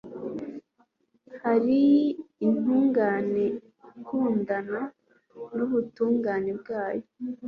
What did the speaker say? hari intungane ikindukana n'ubutungane bwayo